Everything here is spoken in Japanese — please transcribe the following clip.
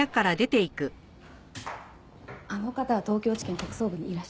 あの方は東京地検特捜部にいらっしゃった事は？